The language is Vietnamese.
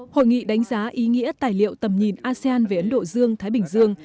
hội nghị đánh giá ý nghĩa tài liệu tầm nhìn asean về ấn độ dương thái bình dương